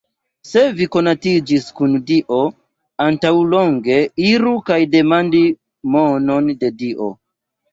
Se vi konatiĝis kun Dio antaŭlonge, iru kaj demandi monon de Dio